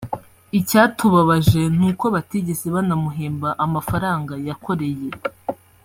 Icyatubabaje ni uko batigeze banamuhemba amafaranga yakoreye